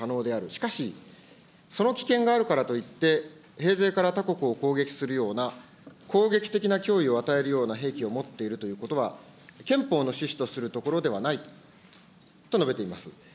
しかし、その危険があるからといって平生から他国を攻撃するような、攻撃的な脅威を与えるような兵器を持っているということは、憲法の趣旨とするところではないと述べています。